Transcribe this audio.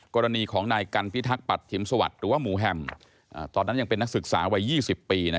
กรณีของนายกันพิทักษ์ปัตถิมสวัสดิ์หรือว่าหมูแฮมตอนนั้นยังเป็นนักศึกษาวัย๒๐ปี